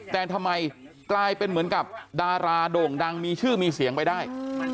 แต่ทำไมกลายเป็นเหมือนกับดาราโด่งดังมีชื่อมีเสียงไปได้